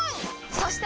そして！